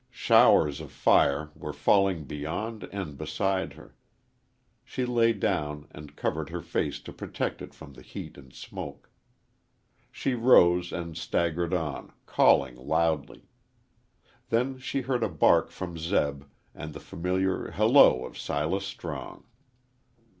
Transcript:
Showers of fire were falling beyond and beside her. She lay down and covered her face to protect it from heat and smoke. She rose and staggered on, calling loudly. Then she heard a bark from Zeb and the familiar halloo of Silas Strong.